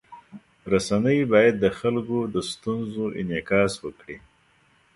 رسنۍ باید د خلکو د ستونزو انعکاس وکړي.